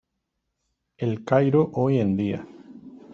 El Cairo hoy en día.